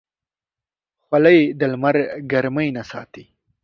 خولۍ د لمر ګرمۍ نه ساتي.